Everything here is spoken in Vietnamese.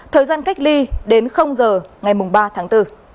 thời gian cách ly đến giờ ngày ba tháng bốn